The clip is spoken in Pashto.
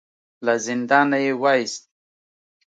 له زندانه يې وايست.